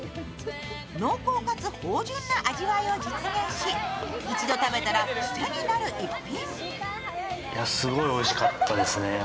濃厚かつ芳じゅんな味わいを実現し一度食べたら癖になる逸品。